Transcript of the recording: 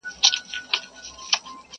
!پر وزرونو مي شغلې د پانوس پور پاته دي!